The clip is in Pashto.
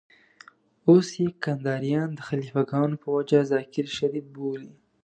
اوس يې کنداريان د خليفه ګانو په وجه ذاکر شريف بولي.